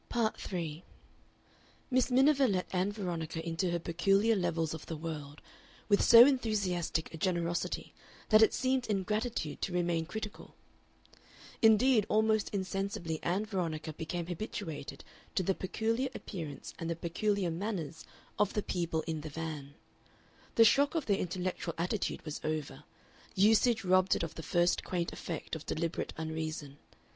Part 3 Miss Miniver let Ann Veronica into her peculiar levels of the world with so enthusiastic a generosity that it seemed ingratitude to remain critical. Indeed, almost insensibly Ann Veronica became habituated to the peculiar appearance and the peculiar manners of the people "in the van." The shock of their intellectual attitude was over, usage robbed it of the first quaint effect of deliberate unreason.